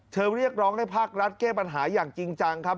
เรียกร้องให้ภาครัฐแก้ปัญหาอย่างจริงจังครับ